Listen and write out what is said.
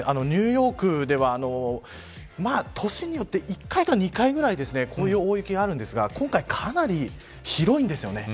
ニューヨークでは年によって１回か２回ぐらいこういう大雪があるんですが今回、かなり広いです。